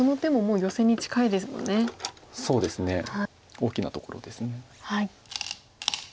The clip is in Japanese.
大きなところです。